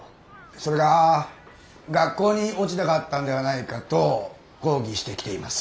それが学校に落ち度があったんではないかと抗議してきています。